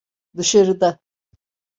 Dışarıda.